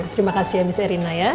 terima kasih ya miss rina ya